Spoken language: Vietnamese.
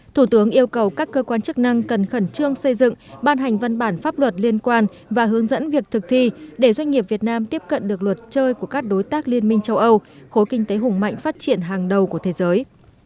thủ tướng yêu cầu các cơ quan chức năng cần khẩn trương xây dựng ban hành văn bản pháp luật liên quan và hướng dẫn việc thực thi để doanh nghiệp việt nam tiếp cận được luật chơi của các đối tác liên minh châu âu khối kinh tế hùng mạnh phát triển hàng đầu của thế giới